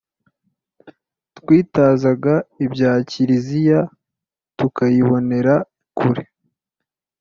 twitazaga ibya kiliziya tukayibonera kure,